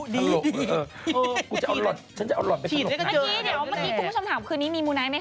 เดี๋ยวทหลักก็ได้เจอกันอีกไม่อย่าไปถลกชุดใหญ่แล้ว